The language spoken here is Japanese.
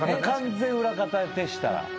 完全裏方徹したら？